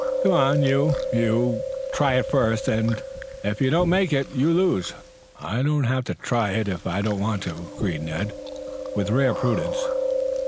"Go on, you! You try it first, and, if you don't make it, you lose. I don't have to try it if I don't want to," agreed Ned, with rare prudence.